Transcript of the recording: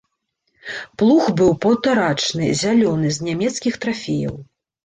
Плуг быў паўтарачны, зялёны, з нямецкіх трафеяў.